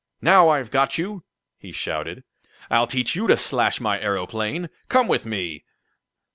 "Now I've got you!" he shouted. "I'll teach you to slash my aeroplane! Come with me!"